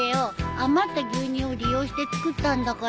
余った牛乳を利用して作ったんだから。